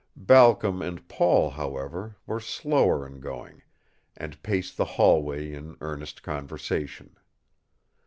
Balcom and Paul, however, were slower in going, and paced the hallway in earnest conversation.